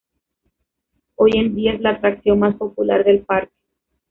Hoy en día, es la atracción más popular del parque.